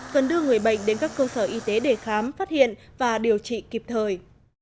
cần đưa người bệnh đến các cơ sở y tế để khám phát hiện và điều trị kịp thời